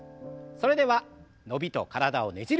それでは伸びと体をねじる運動。